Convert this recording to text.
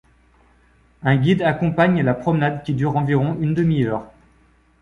Un guide accompagne la promenade qui dure environ une demi-heure.